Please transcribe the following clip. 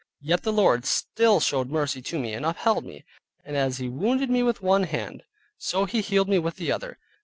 Yet the Lord still showed mercy to me, and upheld me; and as He wounded me with one hand, so he healed me with the other.